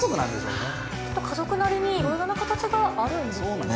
きっとカゾクなりにいろいろな形があるんですよね。